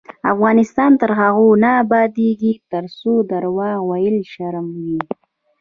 افغانستان تر هغو نه ابادیږي، ترڅو درواغ ویل شرم وي.